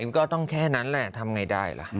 ก็ต้องแค่นั้นแหละทำไงได้ล่ะ